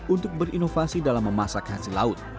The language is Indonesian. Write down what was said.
untuk berinovasi dalam memasak hasil laut